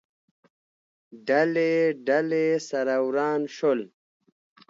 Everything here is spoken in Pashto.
ډلې، ډلې، سره وران شول